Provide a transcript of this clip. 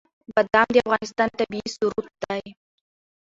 بادام د افغانستان طبعي ثروت دی.